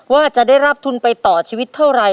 ว่าจะได้รับทุนไปต่อชีวิตเท่าไร